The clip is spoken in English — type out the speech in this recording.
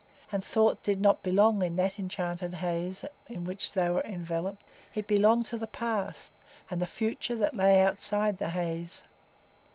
and thought did not belong to that enchanted haze in which they were enveloped,—it belonged to the past and the future that lay outside the haze.